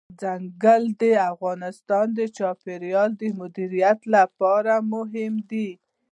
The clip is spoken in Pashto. ځنګلونه د افغانستان د چاپیریال د مدیریت لپاره مهم دي.